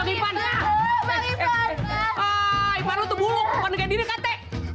ipan lo tuh bulu kondekin diri kate